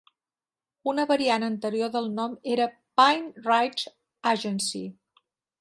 Una variant anterior del nom era Pine Ridge Agency.